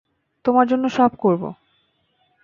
তোমার জন্য সব করব।